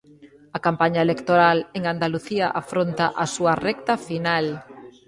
A campaña electoral en Andalucía afronta a súa recta final.